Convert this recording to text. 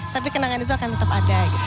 tapi kenangan itu akan tetap ada